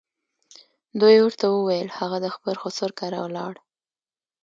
دوی ورته وویل هغه د خپل خسر کره ولاړ.